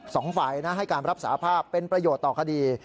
สองฝ่ายนะให้การรับสาภาพเป็นประโยชน์ต่อคดี